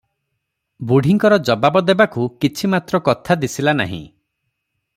ବୁଢ଼ୀଙ୍କର ଜବାବ ଦେବାକୁ କିଛି ମାତ୍ର କଥା ଦିଶିଲା ନାହିଁ ।